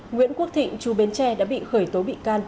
nguyễn quốc thịnh chú bến tre đã bị khởi tố bị can